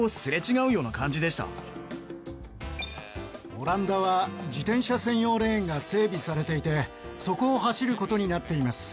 オランダは自転車専用レーンが整備されていてそこを走る事になっています。